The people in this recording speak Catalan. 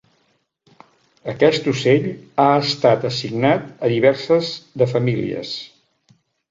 Aquest ocell ha estat assignat a diverses de famílies.